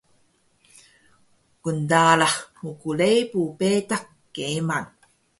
Kndalax mgrebu betaq keeman